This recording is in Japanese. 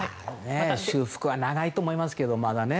修復はまだ長いと思いますけど。